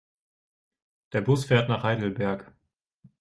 Der Bus fährt nach Heidelberg